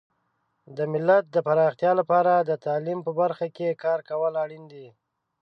د ملت د پراختیا لپاره د تعلیم په برخه کې کار کول اړین دي.